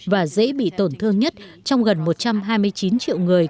và dễ bị tổn thương nhất trong gần một trăm hai mươi chín triệu người